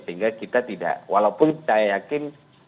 sehingga kita tidak walaupun saya yakin